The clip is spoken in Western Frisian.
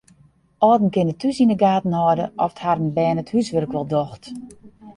Alden kinne thús yn de gaten hâlde oft harren bern it húswurk wol docht.